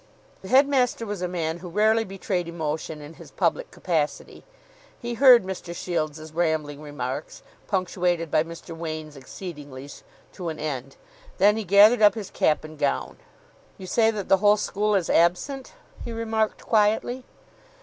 The headmaster was a man who rarely betrayed emotion in his public capacity. He heard Mr. Shields's rambling remarks, punctuated by Mr. Wain's "Exceedinglys," to an end. Then he gathered up his cap and gown. "You say that the whole school is absent?" he remarked quietly.